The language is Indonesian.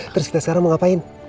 terus kita sekarang mau ngapain